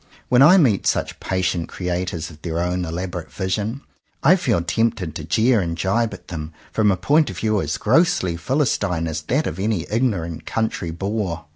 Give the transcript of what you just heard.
When I meet such patient creators of their own elaborate vision, I feel tempted to jeer and jibe at them from a point of view as grossly philistine as that of any ignorant country boor.